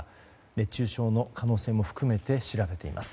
熱中症の可能性も含めて調べています。